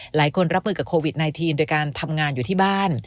หลายคนรับมือกับโควิดไนทีนโดยการทำงานอยู่ที่บ้าน